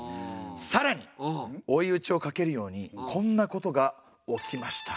さらに追い打ちをかけるようにこんなことが起きました。